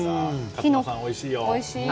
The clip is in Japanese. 勝野さん、おいしいよ。